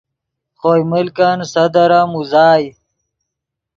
خوئے ملکن صدر ام اوزائے